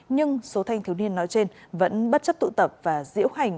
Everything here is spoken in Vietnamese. nhưng số thanh thiếu niên nói trên vẫn bất chấp tụ tập và diễu hành